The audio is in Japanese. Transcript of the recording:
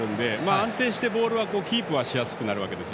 安定してボールキープはしやすくなります。